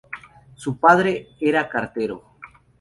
Su padre era cartero.